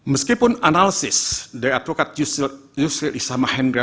meskipun analisis dari advokat yusri issam mahendra